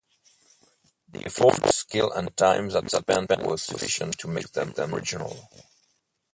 The effort, skill and time that spent was sufficient to make them original.